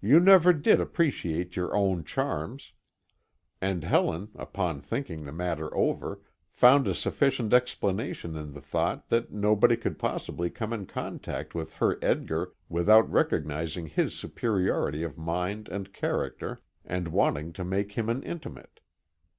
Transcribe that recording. You never did appreciate your own charms," and Helen, upon thinking the matter over, found a sufficient explanation in the thought that nobody could possibly come in contact with her Edgar without recognizing his superiority of mind and character, and wanting to make him an intimate.